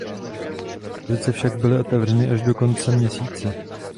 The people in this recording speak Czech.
Expozice však byly otevřeny až do konce měsíce.